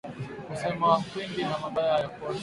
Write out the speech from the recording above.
Kusema kwingi na mabaya ayakosi